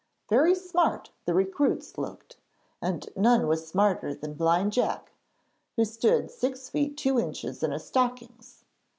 Very smart the recruits looked, and none was smarter than Blind Jack, who stood six feet two inches in his stockings.